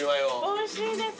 おいしいです。